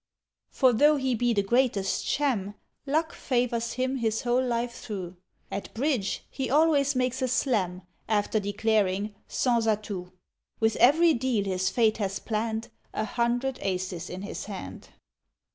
For, though he be the greatest sham, Luck favours him his whole life through; At "Bridge" he always makes a Slam After declaring "Sans atout"; With ev'ry deal his fate has planned A hundred Aces in his hand.